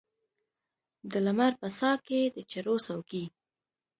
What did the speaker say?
د لمر په ساه کې د چړو څوکې